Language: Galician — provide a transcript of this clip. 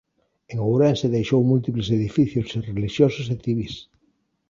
En Ourense deixou múltiples edificios relixiosos e civís.